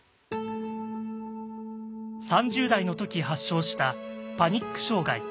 ３０代の時発症したパニック障害。